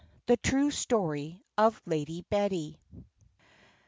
THE TRUE STORY OF LADY BETTY.